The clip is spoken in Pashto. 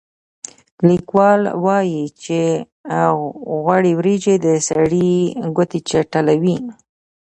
لیکوال وايي چې غوړې وریجې د سړي ګوتې چټلوي.